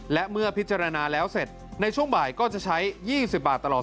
และเมื่อพิจารณาแล้วเสร็จในช่วงบ่ายก็จะใช้๒๐บาทตลอด